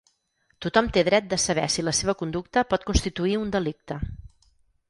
Tothom té dret de saber si la seva conducta pot constituir un delicte.